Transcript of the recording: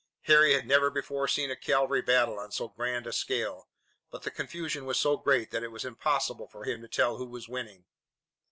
Harry had never before seen a cavalry battle on so grand a scale, but the confusion was so great that it was impossible for him to tell who was winning.